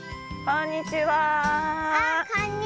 こんにちは。